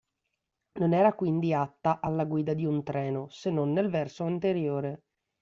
Non era quindi atta alla guida di un treno se non nel verso anteriore.